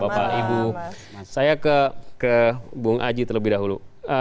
bapak ibu saya ke bung aji terlebih dahulu